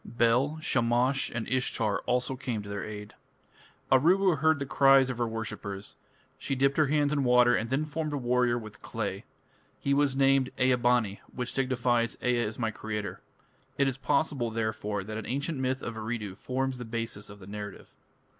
Bel, Shamash, and Ishtar also came to their aid. Aruru heard the cries of her worshippers. She dipped her hands in water and then formed a warrior with clay. He was named Ea bani, which signifies "Ea is my creator". It is possible, therefore, that an ancient myth of Eridu forms the basis of the narrative.